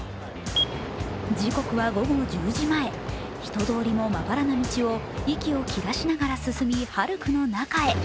時刻は午後１０時前、人通りもまばらな道を息を切らしながら進みハルクの中へ。